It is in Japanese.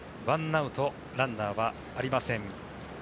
１アウト、ランナーはありません。